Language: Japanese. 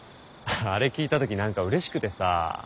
あれ聞いた時何か嬉しくてさ。